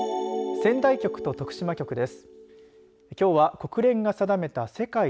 仙台局と徳島局です。